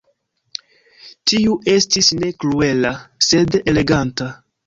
Tiu estis ne kruela, sed eleganta.